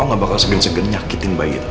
kamu gak bakal segen segen nyakitin bayi itu